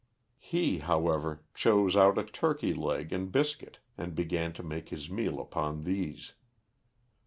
He, however, chose out a turkey leg and biscuit and began to make his meal upon these.